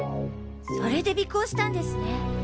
それで尾行したんですね。